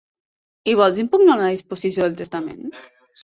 I vols impugnar una disposició del testament?